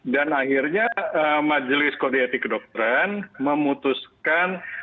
dan akhirnya majelis kode etik dokteran memutuskan